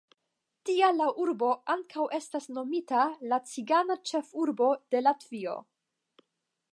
Tial la urbo ankaŭ estas nomita la cigana ĉefurbo de Latvio.